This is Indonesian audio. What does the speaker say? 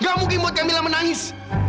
tidak mungkin buat kamilah menangis